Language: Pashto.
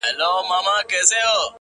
ټولو پردی کړمه؛ محروم يې له هيواده کړمه;